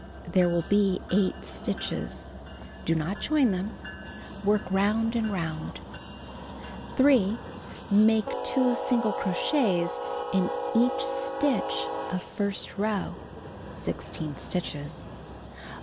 There will be 8 stitches. Do not join them. Work round and round. 3. Make 2 single crochets in each stitch of first row (16 stitches).